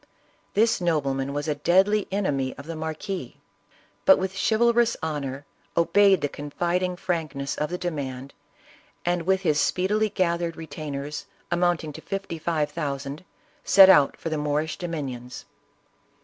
This nobleman was a deadly enemy of the marquis, but with a chivalrous honor, obeyed the cqpfidiug frankness of the demand, and, with his speedily gathered retainers, amounting to fifty five thousand, set out for the Moorish dominions.